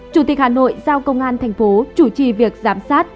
chủ tịch hà nội giao công an thành phố chủ trì việc giám sát